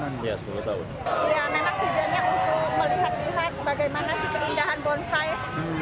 memang tidurnya untuk melihat lihat bagaimana keindahan bonsai